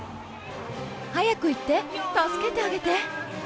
早く行って助けてあげて。